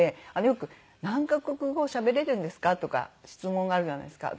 よく「何カ国語しゃべれるんですか？」とか質問あるじゃないですか。